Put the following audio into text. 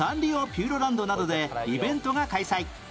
ピューロランドなどでイベントが開催